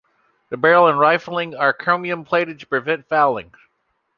The barrel and rifling are chromium-plated to prevent fouling.